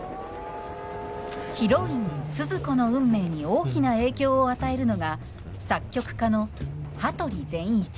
ヒロインスズ子の運命に大きな影響を与えるのが作曲家の羽鳥善一。